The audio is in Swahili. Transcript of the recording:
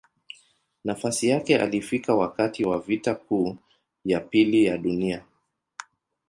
Nafasi yake alifika wakati wa Vita Kuu ya Pili ya Dunia.